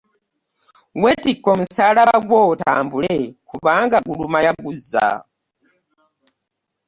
Weetikke omusaalaba gwo otambule kubanga guluma yaguzza.